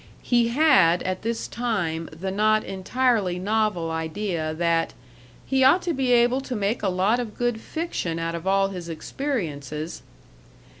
He had, at this time, the not entirely novel idea that "he ought to be able to make a lot of good fiction out of all his experiences."